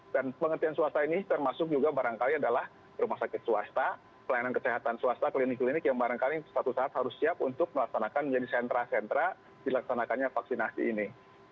dan pengertian swasta ini termasuk juga barangkali adalah rumah sakit swasta pelayanan kesehatan swasta klinik klinik yang barangkali suatu saat harus siap untuk melaksanakan menjadi sentra sentra dilaksanakannya vaksinasi ini